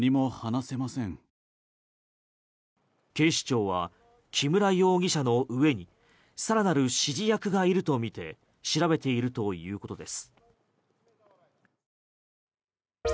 警視庁は木村容疑者の上に更なる指示役がいるとみて調べているということです。